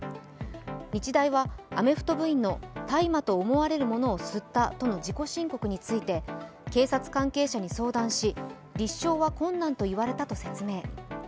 日大は、アメフト部員の大麻と思われるものを吸ったとの自己申告について警察関係者に相談し立証は困難と言われたと説明。